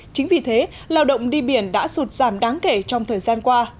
chính vì thế lao động đi biển đã sụt giảm đáng kể trong thời gian qua